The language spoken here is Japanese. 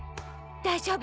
大丈夫。